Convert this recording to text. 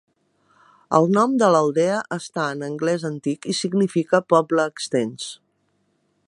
El nom de l'aldea està en anglès antic i significa "poble extens".